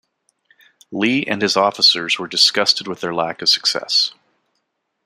Lee and his officers were disgusted with their lack of success.